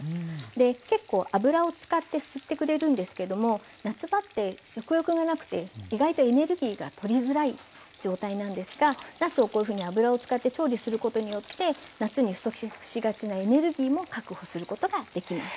結構油を使って吸ってくれるんですけども夏場って食欲がなくて意外とエネルギーがとりづらい状態なんですがなすをこういうふうに油を使って調理することによって夏に不足しがちなエネルギーも確保することができます。